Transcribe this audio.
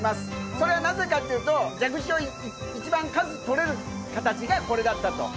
それはなぜかというと、蛇口を一番数取れる形がこれだったと。